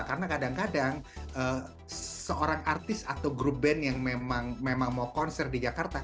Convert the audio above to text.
karena kadang kadang seorang artis atau grup band yang memang mau konser di jakarta